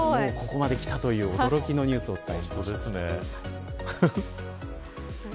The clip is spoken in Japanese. もうここまで来たという驚きのニュースをお伝えしました。